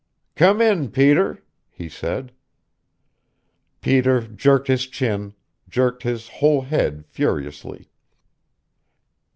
"Come in, Peter," he said. Peter jerked his chin, jerked his whole head furiously.